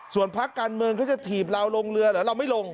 ส่วนพักการเมืองเขาจะถีบเราลงเรือเหรอเราไม่ลง